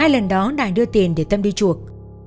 hai lần đó đài đưa tiền để tâm đi chuộc